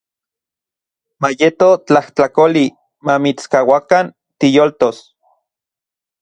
Mayeto tlajtlakoli mamitskauakan tiyoltos.